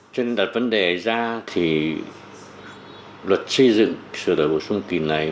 trên đặt vấn đề ra thì luật xây dựng sửa đổi bổ sung kỳ này